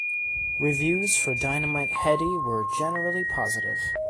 Reviews for "Dynamite Headdy" were generally positive.